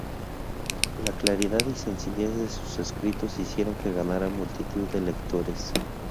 La claridad y sencillez de sus escritos hicieron que ganara multitud de lectores.